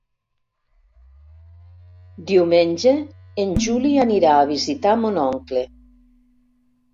Diumenge en Juli anirà a visitar mon oncle.